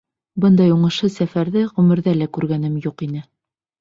Бындай уңышһыҙ сәфәрҙе ғүмерҙә лә күргәнем юҡ ине.